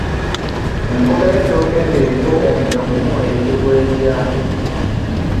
Enkota y’ettooke ng’eriko omunwe gumu eyitibwa etya?